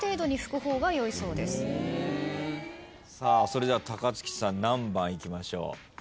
それでは高月さん何番いきましょう。